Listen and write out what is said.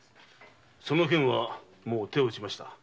その件はもう手を打ちました。